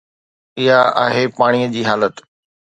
اها آهي پاڻي جي حالت.